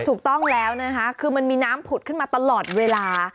ถูกต้องแล้วนะคะคือมันมีน้ำผุดขึ้นมาตลอดเวลา